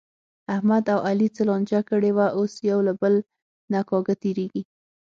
احمد او علي څه لانجه کړې وه، اوس یو له بل نه کاږه تېرېږي.